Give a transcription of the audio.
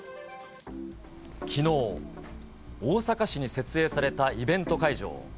きのう、大阪市に設営されたイベント会場。